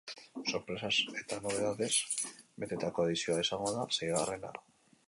Sorpresaz eta nobedadez betetako edizioa izango da seigarrena.